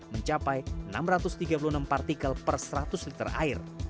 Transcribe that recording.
mencapai enam ratus tiga puluh enam partikel per seratus liter air